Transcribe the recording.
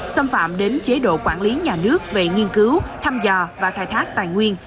xâm phạm đến chế độ quản lý nhà nước về nghiên cứu thăm dò và khai thác tài nguyên